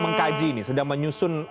mengkaji ini sedang menyusun